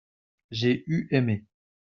j'ai eu aimé.